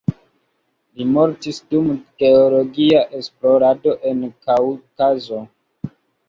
Li mortis dum geologia esplorado en Kaŭkazo.